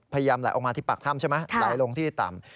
ไหลออกมาที่ปากถ้ำใช่ไหมไหลลงที่ต่ำ